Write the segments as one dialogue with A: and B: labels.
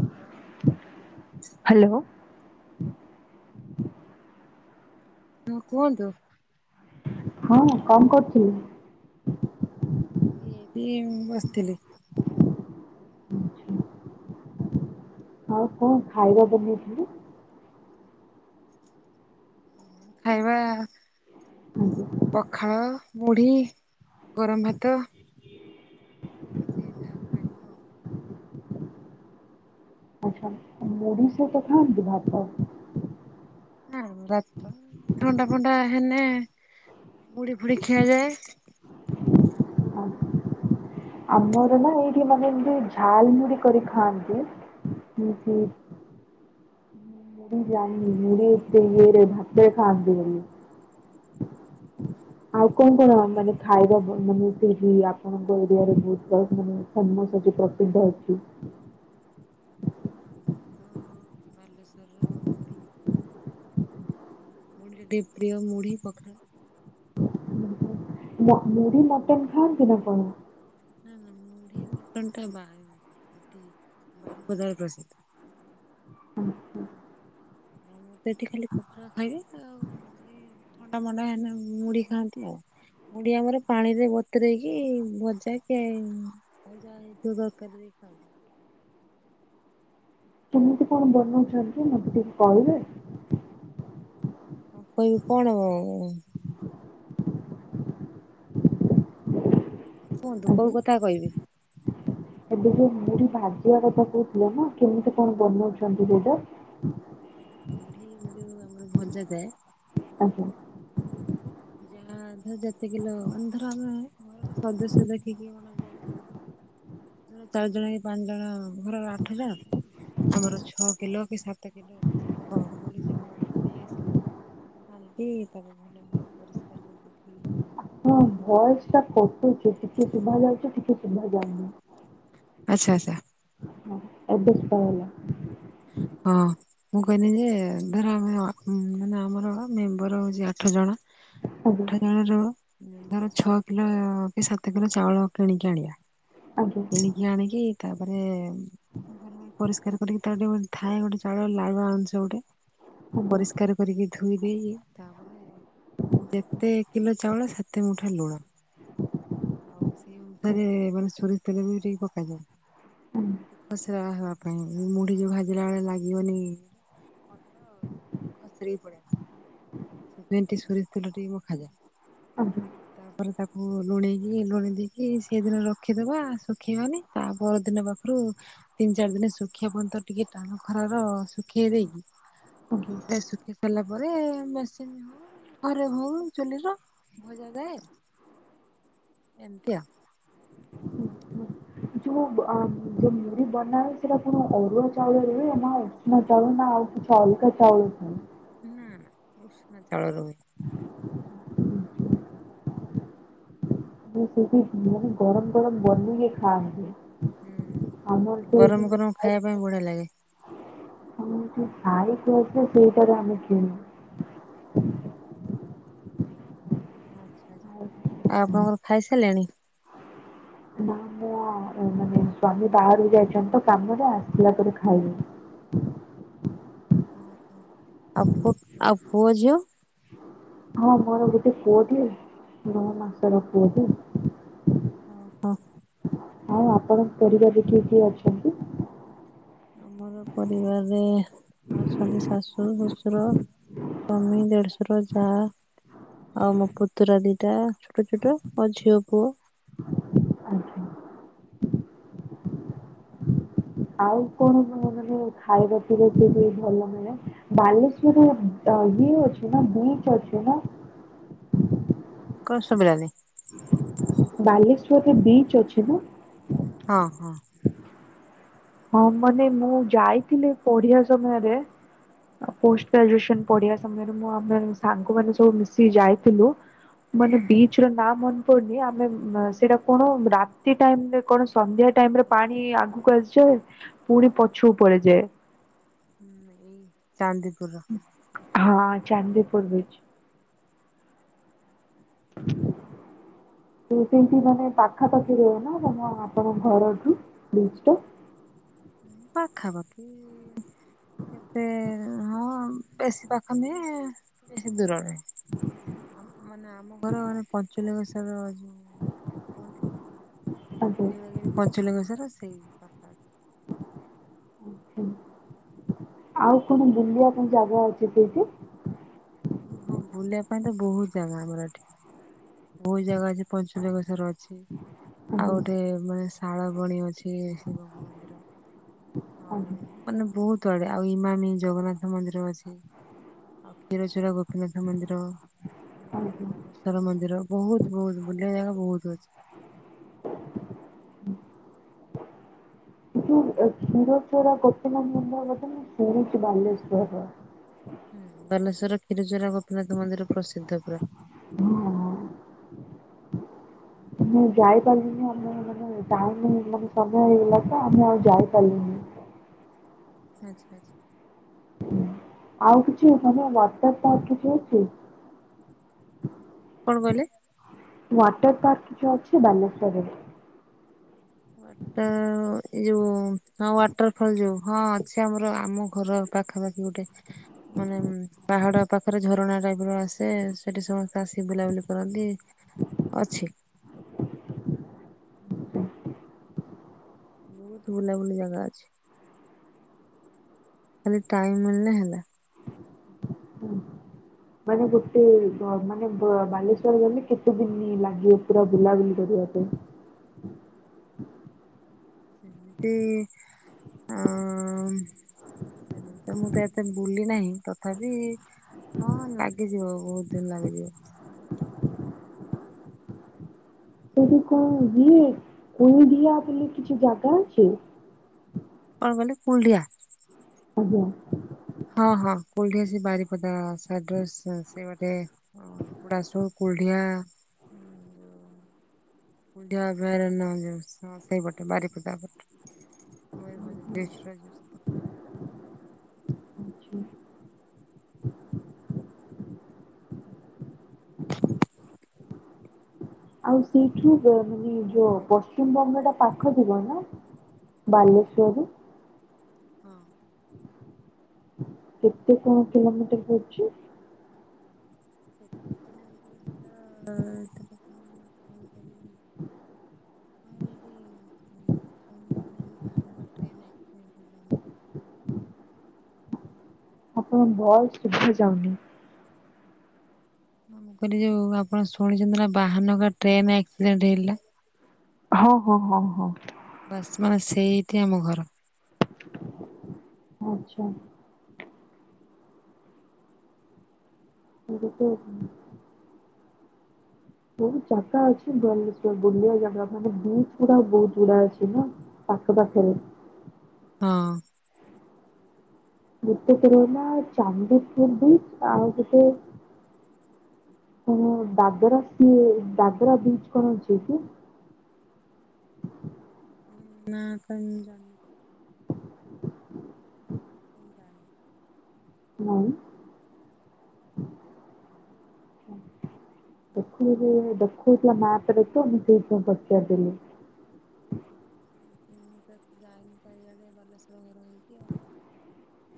A: Hello.
B: Hello.
A: [unintelligible] କୁହନ୍ତୁ।
B: ହଁ କଣ କରୁଥିଲୁ?
A: ଏମିତି ବସିଥିଲି।
B: ଆଉ କଣ ଖାଇବା ବନେଇଥିଲୁ?
A: ଖାଇବା ପଖାଳ ମୁଢି ଗରମ ଭାତ ଯିଏ ଯାହା ଖାଇବ ଅଉ।
B: ଆଚ୍ଛା ମୁଢ଼ି ସହିତ ଖାଆନ୍ତି ଭାତ
A: ହଁ ଭାତ ଥଣ୍ଡା ଫଣ୍ଡା ହେଲେ ମୁଢ଼ି ଫୁଡ଼ି ଖିଆଯାଏ।
B: ଆମର ନା ଏଇଠି ମାନେ ଏମିତି ଝାଲମୁଢ଼ି କରି ଖାଆନ୍ତି। ହୁଁ-ହୁଁ। ଜାଣିନି ମୁଢ଼ି ଏମିତି ଭାତରେ ଖାଆନ୍ତି ବୋଲି। ଆଉ କଣ କଣ ମାନେ ଖାଇବା ମାନେ ସେଠି ଆପଣଙ୍କ ଏରିଆରେ ବହୁତ ମାନେ ସମ କିଛି ପ୍ରସିଦ୍ଧ ଅଛି।
A: ବାଲେଶ୍ଵର ର ମୁଢି ମୋର ଯେତିକି ପ୍ରିୟ ମୁଢି ପଖାଳ।
B: ମୁଢି ମଟନ ଖାଆନ୍ତି ନା କଣ?
A: ନା-ନା ମୁଢି ମଟନଟା ବାଇ ବାରିପଦାରେ ପ୍ରସିଦ୍ଧ।
B: ଅ ହ।
A: ମର ତ ଏଠି ଖାଲି ପଖାଳ ଖାଇବେ ଆଉ ଥଣ୍ଡା ମଣ୍ଡା ହେଲେ ମୁଢ ଖାଆନ୍ତି ଆଉ ମୁଢ଼ି ଆମର ପାଣି ରେ ଵତରେଇକି ଭଜା କି ଆଉ ଯାହା ହେଇଥିବ ଖାନ୍ତି।
B: [inaudible] କେମିତି କଣ ବନଉଛନ୍ତି ମତେ ଟିକେ କହିବେ?
A: କଣ କହିବି କଣ?
B: [inaudible]
A: କୁହନ୍ତୁ କୋଉ
B: ଆଜ୍ଞା।
A: କଥା କହିବି।
B: ଏବେ ଯୋଉ ମୁଢି ଭାଜିବା କଥା କହୁଥିଲ ନା, କେମିତି କଣ ବନଉଛନ୍ତି ସେଇଟା?
A: ମୁଢ଼ି ଯୋଉ ଆମର ଭଜା ଯାଏ।
B: ଆଜ୍ଞା।
A: [inaudible] ଯାହା ଧର ଯେତିକିଲ ମାନେ ଧର ଆମେ ଘରର ସଦସ୍ୟ ଦେଖିକି ଚାରି ଜଣ କି ପାଞ୍ଚ ଜଣ ଘରର ଆଠ ଜଣ ଆମର ଛଅ କିଲୋ କି ସାତ କିଲୋ ଚାଳ ନେଇ ଆସିଲେ ଆଣିକ ତାକୁ ଭଲ ପରିଷ୍କାର କରିକି ଧୋଇବା ଧୋଇ ଦେଇକି
B: ଭ ଏ ସ ଟା କଟୁ ଛି ଟିକେ ଶୁଭା ଯାଉଛି, ଟିକେ ଶୁଭା ଯାଉନି।
A: ଆଚ୍ଛା ଆଚ୍ଛା।
B: ଏବେ ଶୁଭାଗଲା।
A: ହଁ ମୁଁ କହିଲି ଯେ ଧର ଆମେ ମାନେ ଆମର ମେମ୍ବର ହଉଛି ଆଠ ଜଣ
B: ଆଜ୍ଞା
A: ଆଠ ଜଣ ର ଧର ଛଅ କିଲୋ କି ସାତ କର ଚାଉଳ କିଣିକି ଆଣିବା
B: ଆଜ୍ଞା
A: କିଣିକି ଆଣିକି ତାପରେ ପରିଷ୍କାର କରିକି ତା ଗେ ଗୋଟେ ଥାଏ, ଗୋଟେ ଜ ଚାଳ ଲାଳଆ ଆଣୁଛ ଗୋଟେ
B: ଆଜ୍ଞା ଆଜ୍ଞା ହୁଁ,
A: ପରିଷ୍କାର କରିକି ଧୋଇ ଦେଇ ତାପରେ ଯେତେ କିଲୋ ଚାଉଳ ସେତେ ମୁଠା ଲୁଣ ଆଉ ସେଇ ଅନୁସାରେ ମାନେ ସୋରିଷ ତେଲ ବି ଟିକେ ପକାଯାଏ ଖସୁର ହେବା ପାଇଁ ମୁଢି ଯୋଉ ଭାଜି ଲା ବେଳେ ଲାଗିବନି କଠ ଖସରିକି ପଡି ଆସିବ ସେ ପେଣ୍ଟି ସଷ ତେଲୋଟି ମ ଖାଜା
B: ଆଜ୍ଞା
A: ତାପରେ ତାକୁ ଲୁଣିଇ ଲୁଣି ଦେଇକି ସେଦିନ ରଖିଦବା, ଶୁଖେଇବାନି ତା ପର ଦିନ ପାଖରୁ ତିନି ଚାରି ଦିନ ମେ ଶୁଖିବା ପନ୍ତ ଟିକେ ଟାଣ ଖର ର ଶୁଖେଇ ଦେଇକି
B: ଆଜ୍ଞା ହୁଁ,
A: ତାପରେ ଶୁଖେଇ ସାରିଲା ପରେ ଘରେ ହଉ ଚୁଲିର ଭଜା ଯାଏ। ଏମତିଆ
B: ହୁଁ। ଯୋଉ ଯୋଉ ମୁରି ବନା ସେଟା କଣ ଅରୁଆ ଚାଉଳ ହୁଏ, ନା ଉନା ଚାଉଳ ନା ଆଉ ଚାଉଳ କା ଚାଉଳ?
A: ନା ନା ଉଷ୍ଣ ଚାଉଳ ରେ ହୁଏ।
B: ହୁଁ। ମୁଁ ସେଠି ଗରମ ଗରମ ବନୁ କି ଖାଏ।
A: ହୁଁ ଗରମ ଗରମ ଖାଇବା ପାଇଁ ବଢିଆ ଲାଗେ
B: ଚାଇ କ ସେଇଟରମ
A: ଆଛା ଆଛା ଆଉ ଆପଣଙ୍କର ଖାଇସାରିଲେଣି?
B: ନା ମଁ ମାନେ ସ୍ଵାମୀ ବାହାରୁକୁ ଯାଇଛନ୍ତି, ତ କାମରେ ଆସିଥିଲା ପରେ ଖାଇବ [inaudible]
A: ଉଁ ହୁଁ, ଆ-ପୁ-ଆଉ ପୁଅ ଝିଅ?
B: ହଁ ମୋର ଗୋଟେ ପୁଅ ଟିଏ ନଅ ମାସର ପୁଅ ଟିଏ।
A: ଓ ହ।
B: ଆଉ ଆପଣଙ୍କ ପରିବାରିକ କିଏ କିଏ ଅଛନ୍ତି?
A: ଆମର ପରିବାରରେ ଅଛନ୍ତି, ଶାଶୁ ଶ୍ୱଶୁର ସ୍ୱାମୀ, ଦେଢଶୁର, ଯାଆ ଆଉ ମୋ ପୁତୁରା ଦିଟା ଛୋଟ ଛୋଟ, ମୋ ଝିଅ ପୁଅ
B: ଆ [inaudible] ଆଉ କଣ ମାନେ ଖାଇବା ପିଇବା ଟା ବି ଭଲ ହୁଏ, ବାଲେଶ୍ଵରରେ ଇଏ ଅଛି ନା, ବିଚ ଅଛି ନା
A: କଣ ସୁବିଲାନି।
B: ବାଲେଶ୍ଵରରେ ବିଚ ଅଛି ନା?
A: ହଁ ହଁ
B: ହଁ ମାନେ, ମୁଁ ଯାଇଥିଲି, ପଢିବା ସମୟରେ ପୋଷ୍ଟ ଗ୍ରାଜୁଏସନ ପଢିବା ସମୟରେ, ମୁଁ ଆମେ ସାଙ୍ଗ ମାନେ ସବୁ ମିଶିକି ଯାଇଥିଲୁ। ମାନେ ବିଚ ର ନା ପଡୁନି ଆମେ ସେଇଟା କଣ ରାତି ଟାଇମରେ କଣ ସନ୍ଧ୍ୟା ଟାଇମରେ ପାଣି ଆଗକୁ ଆସିଯାଏ। ପୁରୀ ପଛକୁ ପଳେଇ ଯାଏ।
A: ଏଇ ଚାନ୍ଦିପୁରର
B: ହଁ ଚାନ୍ଦିପୁର ବିଚ। [unintelligible] ସେଇଠି ମାନେ ପାଖାପାଖି ରୁହ ନା, ଆପଣଙ୍କ ଘରଠୁ ବିଚ ଟା ହ [inaudible]
A: ହଁ ପାଖା ପାଖି କେତେ ହଁ, ବେଶୀ ପାଖ ନୁହେଁ ବେଶୀ ଦୂରରେ ମାନେ ଆମ ଘର ମାନେ ପଞ୍ଚଲ ବଷର ଯଉ କୁହନ୍ତି,
B: ଆଜ୍ଞା
A: ନୀଳଗିରି ପଞ୍ଚଲିଙ୍ଗ ସ୍ୱର ସେଇ ସଫ [unintelligible]
B: ଆଛା, ଆଉ କଣ ବୁଲିବା ପାଇଁ ଯାଗା ଅଛି ସେଠି
A: ହଁ ବୁଲିବା ପାଇଁ ତ ବହୁତ ଜାଗା ଗୁଡ଼ା ଏଠି, ବହୁତ ଜାଗା ଅଛି ପଞ୍ଚଲିଙ୍ଗେଶ୍ୱର ଅଛି। ଆଉ
B: ଆଜ୍ଞା
A: ଗୋଟେ ମାନେ ଶାଳ ବଣି ଅଛି। ସେ ଶିବଙ୍କ ମନ୍ଦିର ଆଉ
B: ଆଜ୍ଞା
A: ମାନେ ବହୁତ ତଆଡେ ଆଉ ଇମାମି ଜଗନ୍ନାଥ ମନ୍ଦିର ଅଛି, ଆଉ କ୍ଷୀର ଗୋପୀନାଥ ମନ୍ଦିର ଆଉ
B: ଆଜ୍ଞା।
A: ରାମେଶ୍ଵର ମନ୍ଦିର ବହୁତ ବହୁତ ଏ ଜାଗା ବହୁତ
B: [unintelligible]
A: ଅଛି।
B: କ୍ଷୀରଚୋରା ଗୋପିନାଥ ମନ୍ଦିର କଉଚନ୍ତି ସେ ହେଉଛି ବାଲେଶ୍ଵରର
A: ହୁଁ ବାଲେଶ୍ୱର କ୍ଷୀରଚୋରା ଗୋପୀନାଥ ମନ୍ଦିର ପ୍ରସିଦ୍ଧ ପୁରା
B: ହଁ। [unintelligible] ମୁଁ ଯାଇପାରିଲିନି ଆମର ମାନେ ଟାଇମ୍ ହେଇଗ ସମୟ ହେଇଗଲା ତ ଆମେ ଆଉ ଯାଇପାରିଲି ହ [unintelligible]
A: ଆଚ୍ଛା ଆଚ୍ଛା।
B: ଆଉ କିଛି ମାନେ ୱାଟର ପାର୍କ କିଛି ଅଛି?
A: କଲେ [unintelligible]
B: ୱାଟର ପାର୍କ କିଛି ଅଛି ବାଲେଶ୍ଵରରେ
A: ୱାଟର ଏ ଯୋଉ ହଁ ୱାଟର ଫଲ ଯୋଉ ହଁ ଅଛି ଆମର, ଆମ ଘର ପାଖାପାଖି ଗୋଟେ, ମାନେ ପାହାଡ ପାଖରେ ଝରଣା ଟାଇପ ର ଆସେ ସେଠି ସମ ଆସି ବୁଲାବୁଲି କରନ୍ତି, ଅଛି।
B: [unintelligible]
A: ବହୁତ ବୁଲାବୁଲି ଜାଗା ଅଛି। ଖାଲି ଟାଇମ ମିଳିଲେ ହେଲା।
B: ହୁଁ [unintelligible] ମାନେ ଗୋଟେ, ମାନେ ବାଲେଶ୍ଵର ଗଲେ କେତେ ଦିନି ଲାଗିବେ ପୁରା ବୁଲାବୁଲି କର? [unintelligible]
A: ସେମିତି ଆଁ ତ ମୁଁ ତ ଏତେ ବୁଲି ନାହିଁ ତଥାପି ହଁ ଲାଗିଯିବ ବହୁତ ଦିନ ଲାଗିଯିବ।
B: ସେଇଠି ସେଇ [unintelligible] ବୋଲି କିଛି ଜାଗା ଅଛି?
A: ମାନେ କୁଲଢିଆ
B: ଆଜ୍ଞା।
A: ହଁ ହଁ କୋଲଡିଆ ସେଇ ବାରିପଦା ସାଇଡ଼ରେ ସେ ସେଠି ଗୋଟେ ପୋଢ଼ାସୁଣ କୁଲଢିଆ [unintelligible] ବଅଭୟାରଣ୍ୟ ହଁ ସେଇପଟେ ବାରିପଦାପଟେ ମାଇୟୂର୍ଭଞ୍ଜ ଡିଷ୍ଟର ଯୋଉ
B: ଆଛା। ଆଉ ସେଇଠୁ ମାନେ ଯୋଉ ପଶ୍ଚିମବଙ୍ଗ ଟା ପାଖ ଥିବ ନା ବାଲେଶ୍ଵରରୁ
A: ହଁ।
B: କେତେ କଣ କିଲୋମିଟର ପଡୁଚି
A: [unintelligible] ସେତ କେତେ [unintelligible] [unintelligible] ଆମର ଏଇଠି ହୁଁ [unintelligible] ବାହାନବା ଟ୍ରେନ ଆକ୍ସିଡେଣ୍ଟ ହେ
B: ଆପଣଙ୍କ ଭଏସ୍ ଶୁଭା ଯାଉନି
A: ମୁଁ କହିଲି ଯୋଉ ଆପଣ ଶୁଣିଚନ୍ତି ନା ବାହାନଗା ଟ୍ରେନ ଆକ୍ସିଡେଣ୍ଟ ହେଲା
B: ହଁ ହଁ ହଁ ହଁ।
A: ବାସ୍ ମାନେ ସେଇଠି ଆମ ଘର
B: ଆଛା। [unintelligible] ବହୁତ ଜାଗା ଅଛି ବାଲେଶ୍ଵର ବୁଲବା ଜାଗା ମାନେ ବିଚ୍ ଗୁଡା ବହୁତ ଗୁଡା ଅଛି ନୁହଁ ଆଖ ପାଖିରେ
A: ହଁ।
B: ଗୋଟେ [unintelligible] ଚାନ୍ଦିପୁର୍ ବିଚ୍ ଆଉ ଗୋଟ ହଁ ବାଦର ସିଏ ବାଦେରା ବିଚ୍ କଣ ଅଛି କି?
A: ନା କାଇ ମୁଁ ଜାଣିନି ମୁଁ ଜାଣିନି
B: ନାଇ ଦେଖୁ ଦେଖୁ ଦେଖଉଥିଲା ମା ଥରେ ତ ମୁଁ ସେଇଥି ପାଇଁ ପଚାରିଦେଲି
A: ମୁଁ ତ ଯାଇନି ଚାରିଆଡେ ବାଲେଶ୍ୱର୍ ଘର ହେଇକି ଆଉ।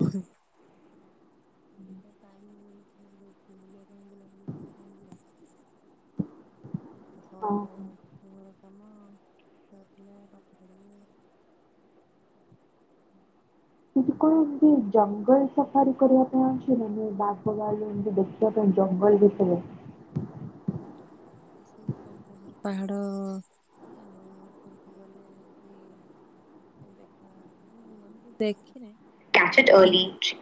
A: ହଁ। ଦେଖିବା ଟାଇମ୍ ମିଳିଲେ ବୁଲିବା ପାଇଁ ବୁଲାବୁଲି କରିବା ପାଇଁ ଯିବା ଆଉ ସବୁବେଳେ
B: ଓହୋ।
A: ତ ରୋଷେଇ ଘର କାମ ଛୁଆପିଲା ପାଠ ପଡ଼ିବେ
B: ଇନ୍ଦି କଣ ଏମତି ଜଙ୍ଗଲ ସଫାରୀ କରିବା ପାଇଁ ଅଛି ମାନେ ବାଘ ଭାଲୁ ଏମିତି ଦେଖିବା ପାଇଁ ଜଙ୍ଗଲ ଭିତରେ
A: ଜଙ୍ଗଲ ଭିତରେ ସେଇ ପଞ୍ଚଲିଙ୍ଗେଶ୍ୱର ପାହାଡ ଉପକୁ ଗଲେ କି ଦେଖା ହଁ ହେମତି ଦେଖିନି
B: କ୍ୟାଚେଟ୍
A: କୁହନ୍ତି
B: ଓଲିପ୍ଟ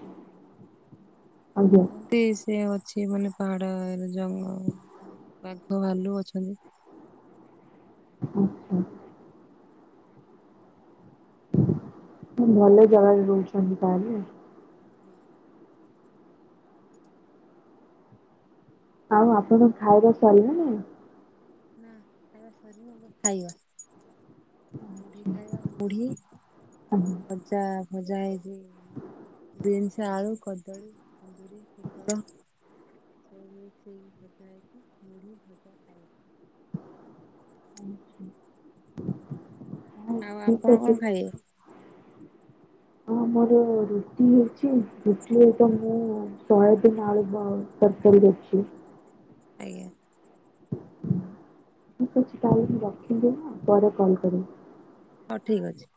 A: କୁହନ୍ତି ସିଏ ମତେ ସେ ମାନେ ପାହାଡ ଜଙ୍ଗ ବାଘ ଭାଲୁ ଅଛନ୍ତି।
B: ଆଛା। ଭଲ ଜାଗାରେ ରହୁଛନ୍ତି ତାହେଲେ। ଆଉ ଆପଣଙ୍କ ଖାଇବା ସାରିଲାଣି।
A: ନା ଖାଇବା ସରିନି ଏବେ ଖାଇବା। ମୁଢି
B: ଆଚ୍ଛା,
A: ଖାଇବା ମୁଢି ଆଉ
B: ଆଜ୍ଞା
A: ଖଜା। ଭଜା ହେଇଛି ବିନ୍ସ ଆଳୁ କଦଳୀ କୁନ୍ଦୁରି ପୋଟଳ। ସବୁ ମିକ୍ସ ହେଇକି ଭଜା ହେଇଚି। ମୁଡ଼ି ଭଜା ଖାଇବା।
B: [inaudible] ହଉ
A: ଆଉ
B: ଠିକ
A: ଆପଣ
B: ଅଛି।
A: କଣ ଖାଇବେ
B: ହଁ ଆମୋର ରୁଟି ହେଇଛି ରୁଟିରେ ତ ମୁଁ ଶୟାବିନ୍ ଆଳୁ ଆଉ ତରକାରୀ କରିଛି।
A: ଆଜ୍ଞା।
B: ଠିକ୍ ଅଛି ତାହେଲେ ମୁଁ ରଖିଲି ହା ପରେ କଲ କରିବି।
A: ହଉ ଠିକ ଅଛି।